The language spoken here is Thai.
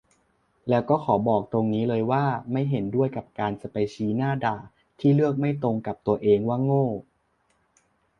แล้วก็ขอบอกตรงนี้เลยว่า ไม่เห็นด้วยกับการจะไปชี้หน้าด่าที่เลือกไม่ตรงตัวเองว่าโง่